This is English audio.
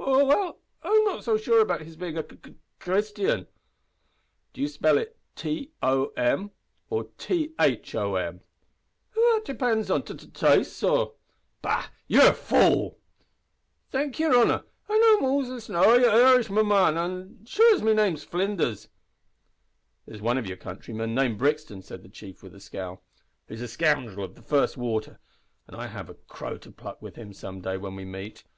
"W w well, I'm not sure about his bein' a c c c Christian." "Do you spell it T o m or T h o m?" "Th that depinds on t t taste, sor." "Bah! you're a fool!" "Thank yer honour, and I'm also an I I Irish m man as sure me name's Flinders." "There's one of your countrymen named Brixton," said the chief, with a scowl, "who's a scoundrel of the first water, and I have a crow to pluck with him some day when we meet.